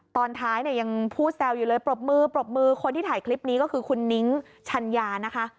ตอนท้ายเนี่ยยังพูดแซวอยู่เลยปรบมือปรบมือคนที่ถ่ายคลิปนี้ก็คือคุณนิ้งชัญญานะคะ